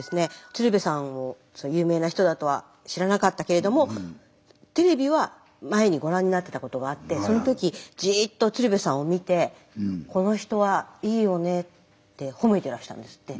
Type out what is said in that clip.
鶴瓶さんを有名な人だとは知らなかったけれどもテレビは前にご覧になってたことがあってその時じっと鶴瓶さんを見てこの人はいいよねって褒めてらしたんですって。